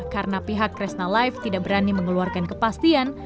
karena pihak kresna life tidak berani mengeluarkan kepastian